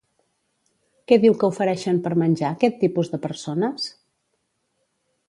Què diu que ofereixen per menjar aquest tipus de persones?